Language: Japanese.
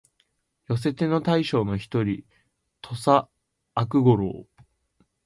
寄せ手の大将の一人、土岐悪五郎